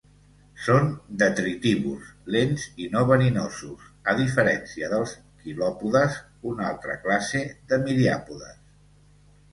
Són detritívors, lents i no verinosos, a diferència dels quilòpodes, una altra classe de miriàpodes.